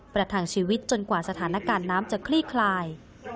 ประทังชีวิตจนกว่าสถานการณ์น้ำจะคลี่คลาย